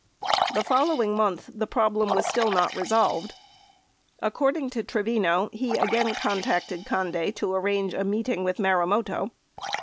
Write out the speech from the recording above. . The following month, the problem was still not resolved. According to Trevino, he again contacted Conde to arrange a meeting with Maru moto.